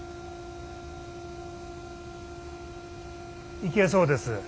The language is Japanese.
いけそうです。